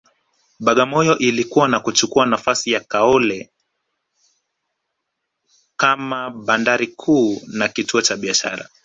Bagamoyo ilikua na kuchukua nafasi ya Kaole kama bandari kuu na kituo cha biashara